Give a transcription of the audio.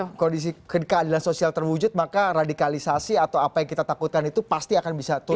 jadi kondisi keadilan sosial terwujud maka radikalisasi atau apa yang kita takutkan itu pasti akan bisa turun